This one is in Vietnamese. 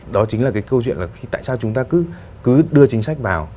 đó chính là cái câu chuyện là tại sao chúng ta cứ đưa chính sách vào